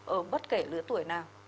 ở bất kể lứa tuổi nào